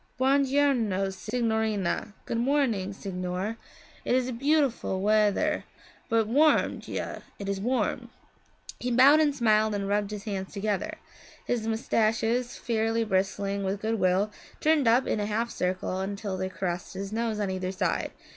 'Buon giorno, signorina! Good morning, signore. It is beautiful wea thir, but warm. Già, it is warm.' He bowed and smiled and rubbed his hands together. His moustaches, fairly bristling with good will, turned up in a half circle until they caressed his nose on either side.